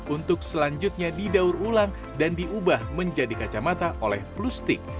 untuk selanjutnya didaur ulang dan diubah menjadi kacamata oleh plustik